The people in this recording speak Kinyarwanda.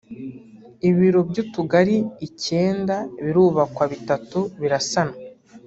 ibiro by’utugari icyenda birubakwa bitatu birasanwa